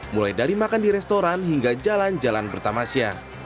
mulai dari makan di restoran hingga jalan jalan bertamasya